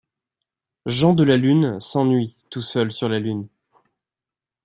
Jean de la Lune s’ennuie tout seul sur la Lune.